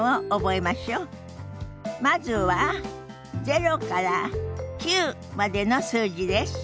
まずは０から９までの数字です。